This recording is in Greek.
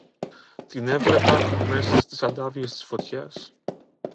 Την έβλεπα μέσα στις ανταύγειες της φωτιάς